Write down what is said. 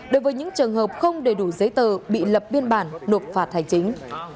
đối với những trường hợp không đầy đủ giấy tờ bị lập biên bản nộp phạt hành chính